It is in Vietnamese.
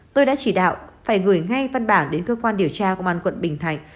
tôi đã chỉ đạo phải gửi ngay văn bản đến cơ quan điều tra công an quận bình thạnh